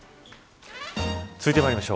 続いてまいりましょう。